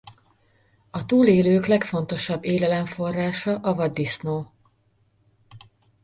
A túlélők legfontosabb élelemforrása a vaddisznó.